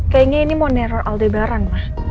kayaknya ini mau neror aldebaran